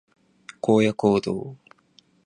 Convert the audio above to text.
荒野行動